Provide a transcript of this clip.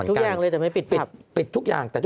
ทุกอย่างเลยแต่ไม่ปิดปิดทุกอย่าง